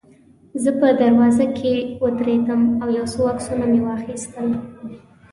زه په دروازه کې ودرېدم او یو څو عکسونه مې واخیستل.